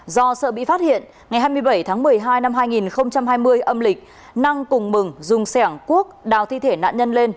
do sợ bị phát hiện ngày hai mươi bảy tháng một mươi hai năm hai nghìn hai mươi âm lịch năng cùng mừng dùng sẻng cuốc đào thi thể nạn nhân lên